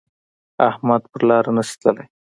احمد په لاره نشي تللی.